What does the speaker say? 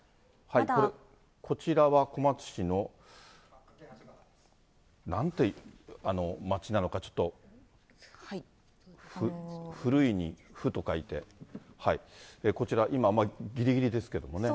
こちらは小松市の、なんて町なのか、ちょっと、古いに府と書いて、こちら、今、ぎりぎりですけどもね。